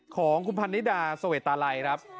ของคุณพันนิดาสเวตาลัยครับ